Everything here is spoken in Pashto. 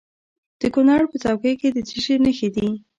د کونړ په څوکۍ کې د څه شي نښې دي؟